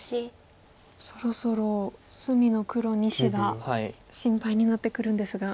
そろそろ隅の黒２子が心配になってくるんですが。